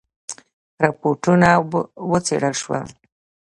رپوټونه وڅېړل شول.